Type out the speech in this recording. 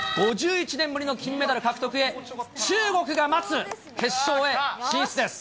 ５１年ぶりの金メダル獲得へ、中国が待つ決勝へ進出です。